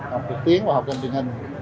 học trực tuyến và học trên truyền hình